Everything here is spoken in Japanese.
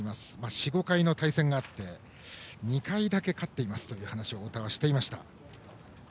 ４５回の対戦があって２回だけ勝っていますという話を太田はしていました。